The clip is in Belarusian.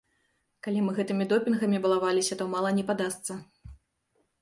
Калі мы гэтымі допінгамі балаваліся, то мала не падасца.